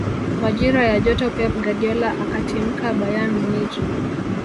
majira ya joto pep guardiola akatimka bayern munich